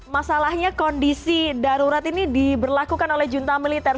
masalahnya kondisi darurat ini diberlakukan oleh junta militer